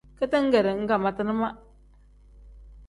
Ketengere nkangmatina ma.